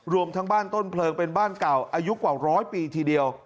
รวมทั้งบ้านต้นเพลิงเป็นบ้านเก่าอายุกว่าร้อยปีทีเดียว